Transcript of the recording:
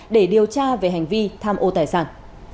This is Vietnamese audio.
để điều tra về hành vi tham ô tài sản